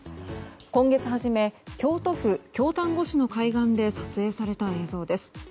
今月初め京都府京丹後市の海岸で撮影された映像です。